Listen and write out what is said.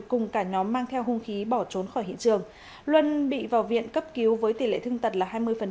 cùng cả nhóm mang theo hung khí bỏ trốn khỏi hiện trường luân bị vào viện cấp cứu với tỷ lệ thương tật là hai mươi